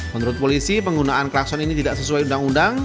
menurut polisi penggunaan klakson ini tidak sesuai undang undang